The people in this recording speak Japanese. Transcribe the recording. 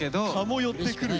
蚊も寄ってくる。